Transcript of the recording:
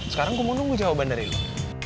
sekarang gue mau nunggu jawaban dari lo